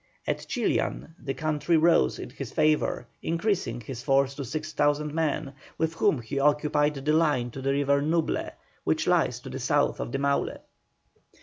At Chillán the country rose in his favour, increasing his force to 6,000 men, with whom he occupied the line of the river Nuble, which lies to the south of the Maule.